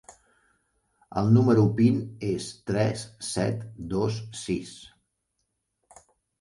El número PIN és tres, set, dos, sis.